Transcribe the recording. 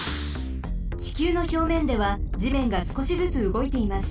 ちきゅうのひょうめんではじめんがすこしずつうごいています。